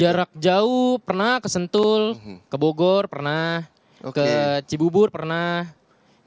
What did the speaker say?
jarak jauh pernah ke sentul ke bogor pernah ke cibubur pernah